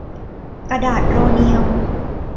กระดาษโรเนียว